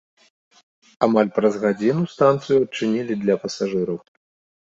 Амаль праз гадзіну станцыю адчынілі для пасажыраў.